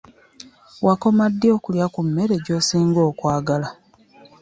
Wakoma ddi okulya ku mmere gy'osinga okwagala?